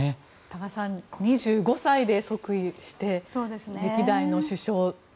多賀さん２５歳で即位して歴代の首相を。